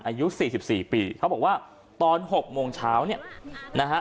อายุสี่สิบสี่ปีเขาบอกว่าตอนหกโมงเช้าเนี่ยนะฮะ